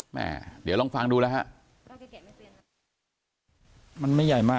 แม่เดี๋ยวลองฟังดูแล้วฮะ